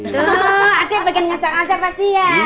tuh aku yang bikin ngaca ngaca pasti ya